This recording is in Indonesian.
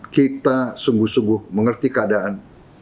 kita sungguh sungguh mengerti keadaan